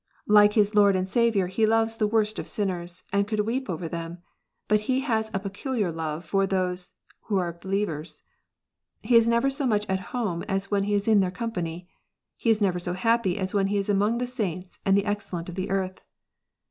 Like his Lord and Saviour, he loves the worst of sinners, and could weep over them ; but he has a peculiar love for those who are believers. He is never so much at home as when he is in their company : he is never so happy as when he is among the saints and the excellent of the earth.